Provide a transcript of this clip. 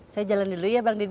saya jalan dulu ya bang didi